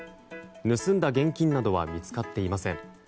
盗んだ現金などは見つかっていません。